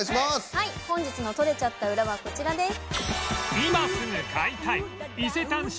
はい本日の撮れちゃったウラはこちらです。